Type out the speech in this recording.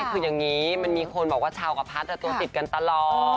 คืออย่างนี้มันมีคนบอกว่าชาวกระพัดตัวติดกันตลอด